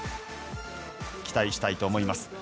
期待したいと思います。